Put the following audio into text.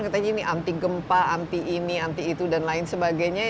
katanya ini anti gempa anti ini anti itu dan lain sebagainya